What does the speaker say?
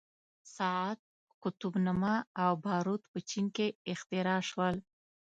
ساعت، قطب نما او باروت په چین کې اختراع شول.